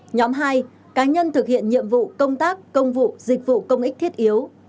nhóm hai cá nhân thực hiện nhiệm vụ công tác công vụ dịch vụ công ích thiết yếu